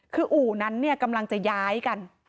คืออู่นั้นเนี่ยกำลังจะย้ายกัน